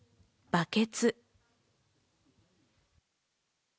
バケツ。